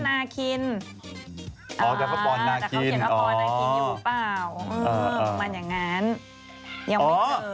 อ๋อแต่เขาเขียนว่าปอนนาคินอยู่หรือเปล่ามันอย่างนั้นยังไม่เจอ